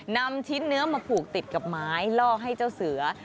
นำชิ้นเนื้อมาผูกติดกับไม้ล่อให้เจ้าเสือ